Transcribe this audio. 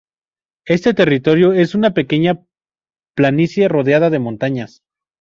Este territorio es una pequeña planicie rodeada de montañas.